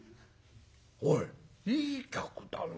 おいいい客だね。